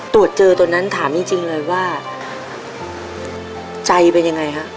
ตรวจเจอตัวนั้นถามจริงเลยว่าใจเป็นยังไงฮะ